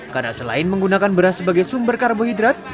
karena selain menggunakan beras sebagai sumber karbohidrat